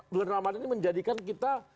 bulan ramadhan ini menjadikan kita